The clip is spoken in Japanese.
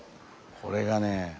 これがねえ